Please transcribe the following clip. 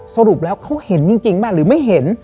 สรุปแล้วเขาเห็นจริงป่ะหรือไม่เห็น